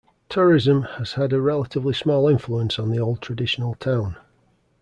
Tourism has had a relatively small influence on the old traditional town.